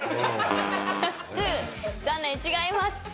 残念違います。